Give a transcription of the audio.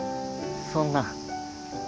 そんな。